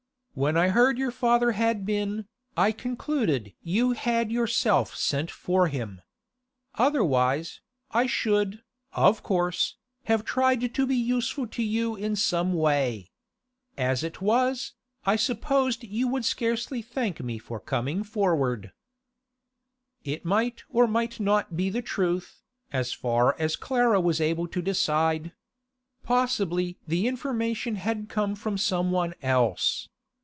When I heard your father had been, I concluded you had yourself sent for him. Otherwise, I should, of course, have tried to be useful to you in some way. As it was, I supposed you would scarcely thank me for coming forward.' It might or might not be the truth, as far as Clara was able to decide. Possibly the information had come from some one else.